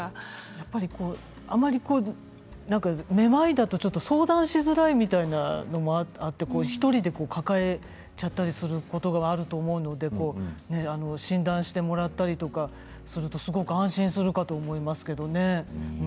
やっぱりこうあんまり何かめまいだとちょっと相談しづらいみたいなのもあって一人で抱えちゃったりすることがあると思うので診断してもらったりとかするとすごく安心するかと思いますけどね。